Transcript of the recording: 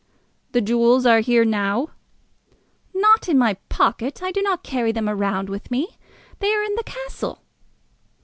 "The jewels are here now?" "Not in my pocket. I do not carry them about with me. They are in the castle."